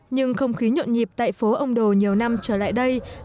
nhưng không khí nhộn nhịp tại phố ông đồ nhiều năm trở lại đây